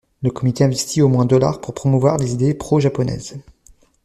Le comité investit au moins $ pour promouvoir les idées pro-japonaises.